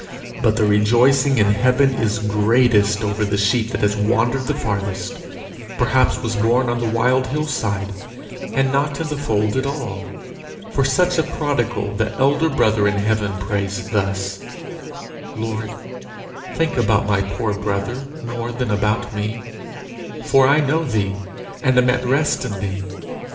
But the rejoicing in heaven is greatest over the sheep that has wandered the farthest perhaps was born on the wild hill side, and not in the fold at all. For such a prodigal, the elder brother in heaven prays thus "Lord, think about my poor brother more than about me, for I know thee, and am at rest in thee.